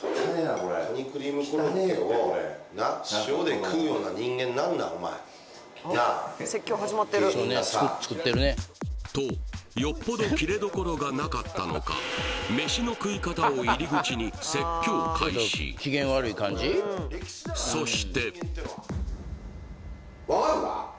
これ何ていうのこのとよっぽどキレどころがなかったのかメシの食い方を入り口に説教開始そして分かるか？